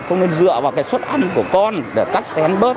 không nên dựa vào cái suất ăn của con để cắt xén bớt